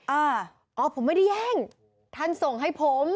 อ่าอ๋อผมไม่ได้แย่งท่านส่งให้ผม